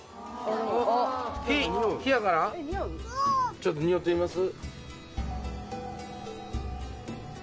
ちょっとにおってみます？